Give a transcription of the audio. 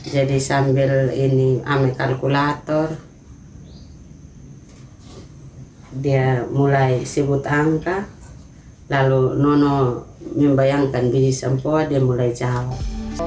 jadi sambil ini ambil kalkulator dia mulai sibut angka lalu nono membayangkan biji sempuan dia mulai jawab